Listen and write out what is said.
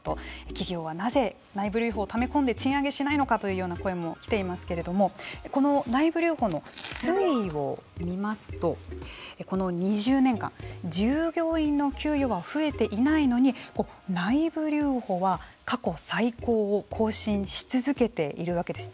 企業はなぜ内部留保をため込んで賃上げしないのかというような声も来ていますけれどもこの内部留保の推移を見ますとこの２０年間従業員の給与は増えていないのに内部留保は過去最高を更新し続けているわけです。